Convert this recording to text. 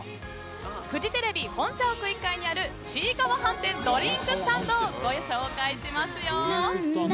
フジテレビ本社屋１階にあるちいかわ飯店ドリンクスタンドをご紹介しますよ。